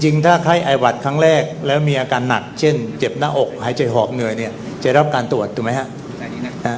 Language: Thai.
ถ้าไข้ไอหวัดครั้งแรกแล้วมีอาการหนักเช่นเจ็บหน้าอกหายใจหอบเหนื่อยเนี่ยจะรับการตรวจถูกไหมครับ